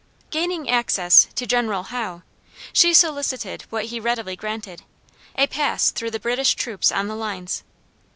Gaining access to General Howe, she solicited what he readily granted a pass through the British troops on the lines.